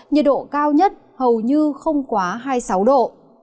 nhiệt độ cao nhất hầu như không quá hai mươi sáu độ